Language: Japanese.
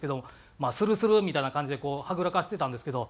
「するする」みたいな感じでこうはぐらかしてたんですけど。